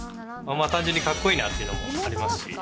単純にかっこいいなというのもありますし。